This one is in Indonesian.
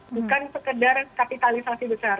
bukan sekedar kapitalisasi besar